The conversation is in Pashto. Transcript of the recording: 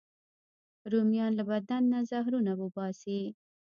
رومیان له بدن نه زهرونه وباسي